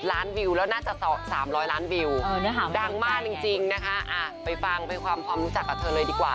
ล้านวิวแล้วน่าจะ๓๐๐ล้านวิวดังมากจริงนะคะไปฟังไปความรู้จักกับเธอเลยดีกว่า